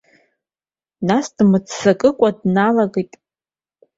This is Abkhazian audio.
Нас, дмыццакыкәа, дналагеит.